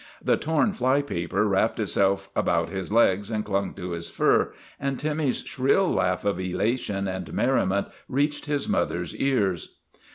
The torn fly paper wrapped itself about his legs and clung to his fur, and Timmy's shrill laugh of elation and merriment reached his mother's ears.